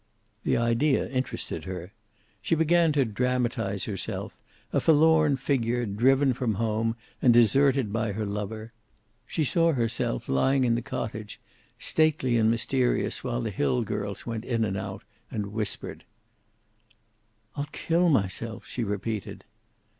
The idea interested her. She began to dramatize herself, a forlorn figure, driven from home, and deserted by her lover. She saw herself lying in the cottage, stately and mysterious, while the hill girls went in and out, and whispered. "I'll kill myself," she repeated.